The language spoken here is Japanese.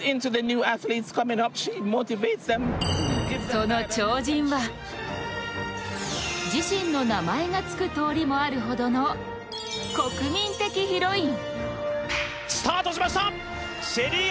その超人は自身の名前がつく通りがあるほどの国民的ヒロイン。